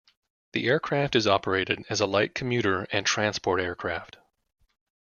The aircraft is operated as a light commuter and transport aircraft.